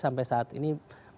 sampai saat ini